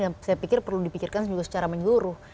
dan saya pikir perlu dipikirkan secara menyuruh